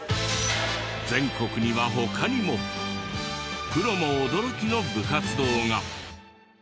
全国には他にもプロも驚きの部活動が。